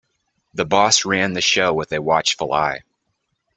The boss ran the show with a watchful eye.